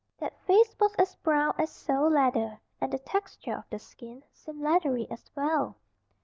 That face was as brown as sole leather, and the texture of the skin seemed leathery as well.